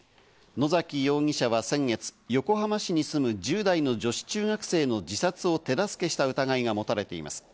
野崎容疑者は先月、横浜市に住む１０代の女子中学生の自殺を手助けした疑いがもたれています。